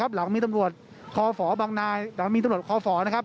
หลังมีตำรวจคอฝบางนายหลังมีตำรวจคอฝนะครับ